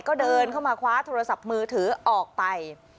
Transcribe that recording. ก็เดินเข้ามาคว้าโทรศัพท์มือถือออกไป